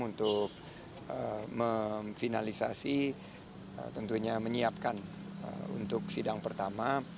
untuk memfinalisasi tentunya menyiapkan untuk sidang pertama